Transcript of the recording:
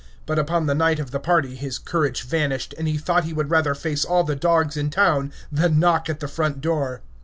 But upon the night of the party his courage vanished, and he thought he would rather face all the dogs in town than knock at the front door.